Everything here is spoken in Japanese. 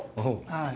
はい。